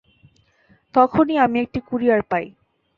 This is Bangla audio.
তখনই আমি একটি কুরিয়ার পাই।